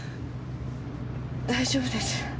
大丈夫です。